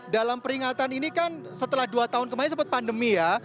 dalam peringatan ini kan setelah dua tahun kemarin sempat pandemi ya